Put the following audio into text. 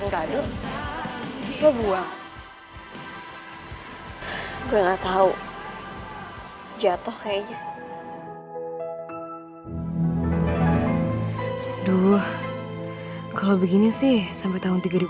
jika koyanya lebih nyakit farah